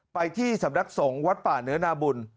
ไปที่สำนักสงฆ์วัดป่าเนื้อนาบุญ